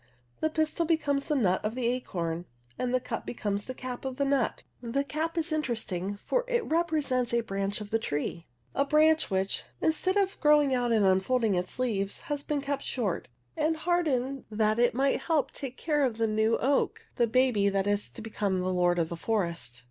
The pistil becomes the nut of the acorn and the cup becomes the cap of the nut (Fig. 4). The cap is interesting for it repre 4. whitkOak sents a branch of the tree, a branch which, instead of growing out and unfolding its leaves, has been kept short, and hardened that it 6o might help to take care of the new oak, the baby that is to become a " lord of the forest."